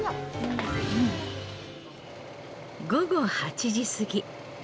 午後８時過ぎ。